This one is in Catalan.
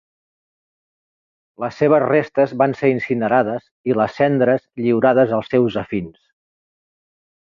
Les seves restes van ser incinerades, i les cendres lliurades als seus afins.